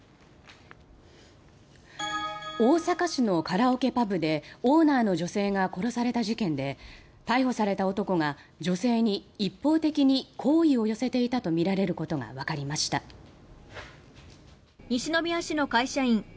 大阪市のカラオケパブでオーナーの女性が殺された事件で逮捕された男が女性に一方的に好意を寄せていたとみられることがわかりました。